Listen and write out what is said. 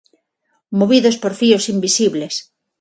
Movidos por fíos invisibles.